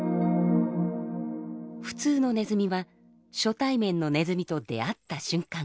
普通のネズミは初対面のネズミと出会った瞬間